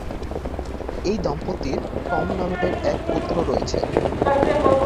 এই দম্পতির টম নামে এক পুত্র রয়েছে।